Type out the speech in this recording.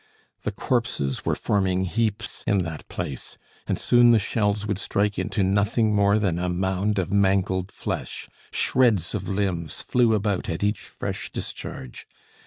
The corpses were forming heaps in that place, and soon the shells would strike into nothing more than a mound of mangled flesh; shreds of limbs flew about at each fresh discharge.